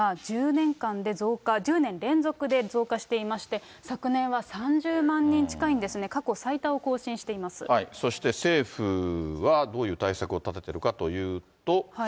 不登校の小中学生なんですが、１０年間で増加、１０年連続で増加していまして、昨年は３０万人近いんですね、過去最多を更新しそして政府はどういう対策を立ててるかというと。